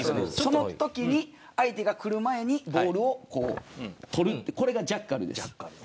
そのときに、相手が来る前にボールを取るこれがジャッカルです。